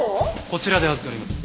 こちらで預かります。